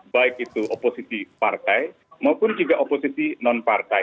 baik itu oposisi partai maupun juga oposisi non partai